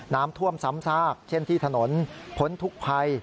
น้ำท่วมซ้ำซากเช่นที่ถนนพ้นทุกภัย